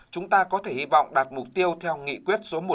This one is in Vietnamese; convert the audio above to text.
chúng ta có thể hiểu được các doanh nghiệp khởi nghiệp đổi mới sáng tạo